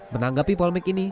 menanggapi polmek ini